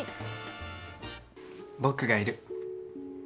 僕がいる。